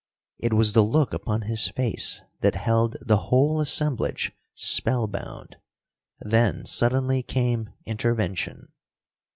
It was the look upon his face that held the whole assemblage spellbound. Then suddenly came intervention.